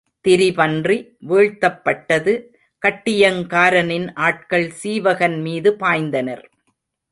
திரிபன்றி வீழ்த்தப்பட்டது கட்டியங்காரனின் ஆட்கள் சீவகன் மீது பாய்ந்தனர்.